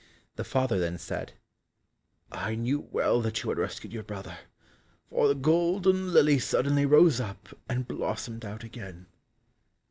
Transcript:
The father then said, "I knew well that you had rescued your brother, for the golden lily suddenly rose up and blossomed out again."